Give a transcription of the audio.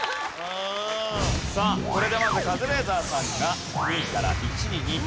さあこれでまずカズレーザーさんが２位から１位に上がります。